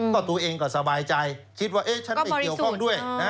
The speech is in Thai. ก็ตัวเองก็สบายใจคิดว่าฉันไม่เกี่ยวข้องด้วยนะ